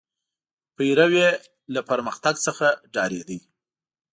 پیرو یې له پرمختګ څخه ډارېد.